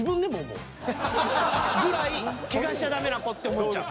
ぐらい汚しちゃダメな子って思っちゃう。